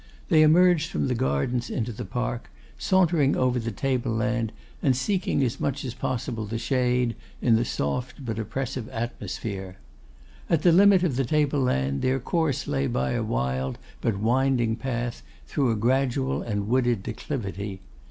They emerged from the gardens into the park, sauntering over the table land, and seeking as much as possible the shade, in the soft but oppressive atmosphere. At the limit of the table land their course lay by a wild but winding path through a gradual and wooded declivity.